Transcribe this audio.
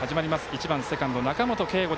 １番セカンド、中本佳吾。